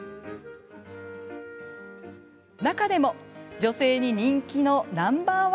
中でも女性に人気のナンバー１